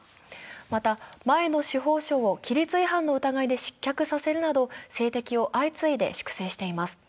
また、前の司法相を規律違反の疑いで失脚させるなど政敵を相次いで粛清しています。